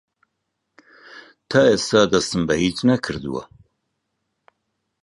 تا ئێستا دەستم بە هیچ نەکردووە.